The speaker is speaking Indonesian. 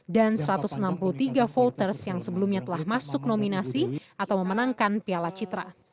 dan satu ratus enam puluh tiga voters yang sebelumnya telah masuk nominasi atau memenangkan piala citra